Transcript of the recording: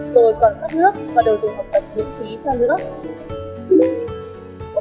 tôi còn khắp nước và đồ dùng học tập miễn phí cho nước